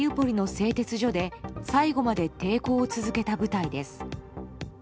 南東部の要衝マリウポリの製鉄所で最後まで抵抗を続けた部隊です。